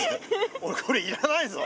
俺これ要らないぞ。